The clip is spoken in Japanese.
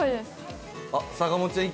坂本ちゃん